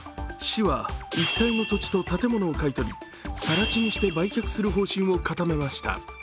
市は一帯の土地と建物を買い取りさら地にして売却する方針を固めました。